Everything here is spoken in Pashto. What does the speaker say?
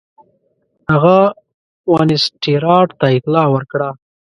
هغه وینسیټارټ ته اطلاع ورکړه.